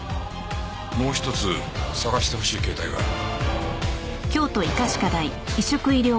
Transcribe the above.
もう一つ探してほしい携帯がある。